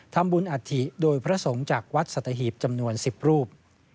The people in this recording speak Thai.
ทำบุญอัฐิโดยพระสงฆ์จากวัดสัตหีบจำนวน๑๐รูป